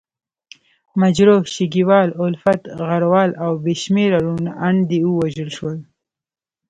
مجروح، شګیوال، الفت، غروال او بې شمېره روڼاندي ووژل شول.